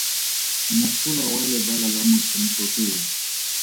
Mosola wa lebala la motshameko ke eng?